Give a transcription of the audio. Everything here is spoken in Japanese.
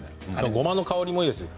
ごまの香りもいいですよ。